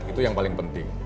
itu yang paling penting